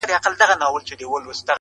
هسي نه راڅخه ورکه سي دا لاره!!